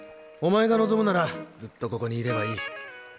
お前が望むならずっとここにいればいい。